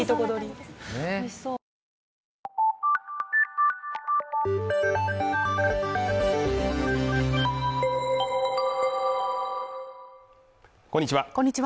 こんにちは